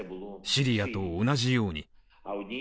シリアと同じように。